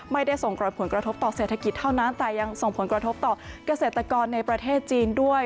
ไม่ได้ส่งรอยผลกระทบต่อเศรษฐกิจเท่านั้นแต่ยังส่งผลกระทบต่อเกษตรกรในประเทศจีนด้วย